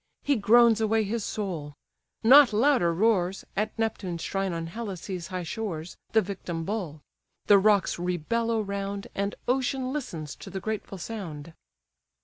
He groans away his soul: not louder roars, At Neptune's shrine on Helicè's high shores, The victim bull; the rocks re bellow round, And ocean listens to the grateful sound.